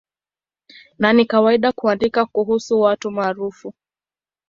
Na ni kawaida kuandika kuhusu watu maarufu.